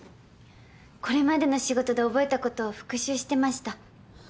これまでの仕事で覚えたことを復習してました。